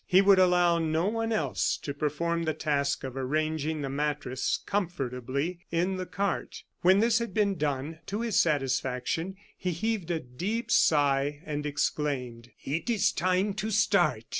He would allow no one else to perform the task of arranging the mattress comfortably in the cart. When this had been done to his satisfaction, he heaved a deep sigh, and exclaimed: "It is time to start!"